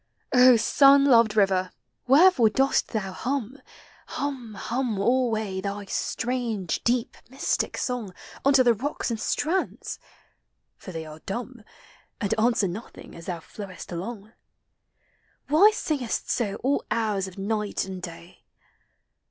O sun loved river! wherefore dost thou hum. Hum, hum alway, iliy strange, deep, mystic song Unto the rocks and strands? for they are dumb, And answer nothing as thou ilowest along. Why singes! so all hours of Qighl and day?